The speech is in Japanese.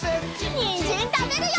にんじんたべるよ！